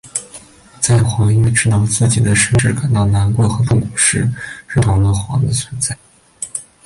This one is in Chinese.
在煌因为知道自己的身世感到难过和痛苦时认同了煌的存在。